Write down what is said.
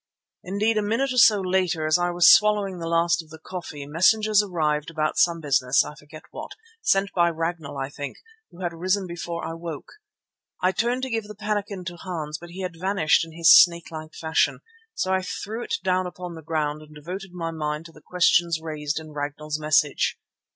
Indeed a minute or so later, as I was swallowing the last of the coffee, messengers arrived about some business, I forget what, sent by Ragnall I think, who had risen before I woke. I turned to give the pannikin to Hans, but he had vanished in his snake like fashion, so I threw it down upon the ground and devoted my mind to the question raised in Ragnall's message.